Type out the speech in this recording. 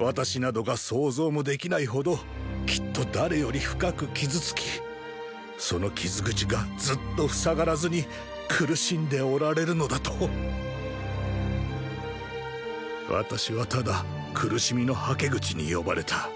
私などが想像もできないほどきっと誰より深く傷つきその傷口がずっとふさがらずに苦しんでおられるのだと私はただ苦しみのはけ口に呼ばれた。